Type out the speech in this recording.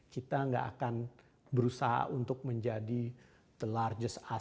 kita tidak akan berusaha untuk menjadi the largest art